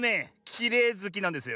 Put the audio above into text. きれいずきなんですよ。